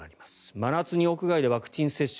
真夏に屋外でワクチン接種。